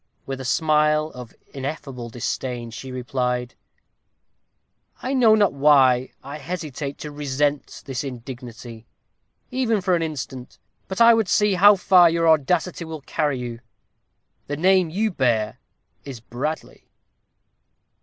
With a smile of ineffable disdain, she replied, "I know not why I hesitate to resent this indignity, even for an instant. But I would see how far your audacity will carry you. The name you bear is Bradley?"